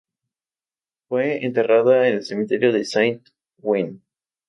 Fue enterrada en el Cementerio de Saint-Ouen.